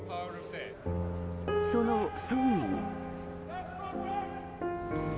その葬儀に。